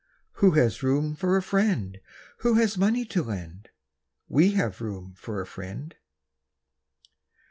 Who has room for a friend Who has money to lend? We have room for a friend!